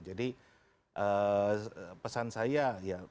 jadi pesan saya